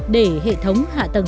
để hệ thống hạ tầng giao thông